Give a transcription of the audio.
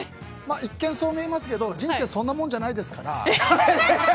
一見、そう見えますけど人生そんなもんじゃないですから。